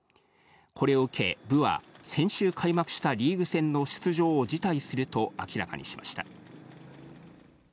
これを受け、部は、先週開幕したリーグ戦の出場を辞退すると明らかにしました。